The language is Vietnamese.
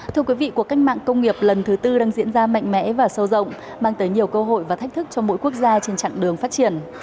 thưa quý vị cuộc cách mạng công nghiệp lần thứ tư đang diễn ra mạnh mẽ và sâu rộng mang tới nhiều cơ hội và thách thức cho mỗi quốc gia trên chặng đường phát triển